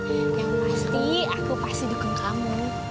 yang pasti aku pasti dukung kamu